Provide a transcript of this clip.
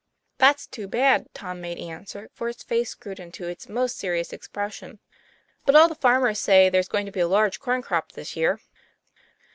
"That's too bad," Tom made answer, with his face screwed into its most serious expression. " But all the farmers say there's going to be a large corn crop this year."